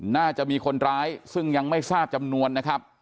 น่าจะมีคนร้ายซึ่งยังไม่ทราบจำนวนนะครับ